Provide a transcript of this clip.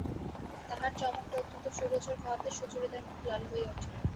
তাহার চমকটা অত্যন্ত সুগোচর হওয়াতে সুচরিতার মুখ লাল হইয়া উঠিল।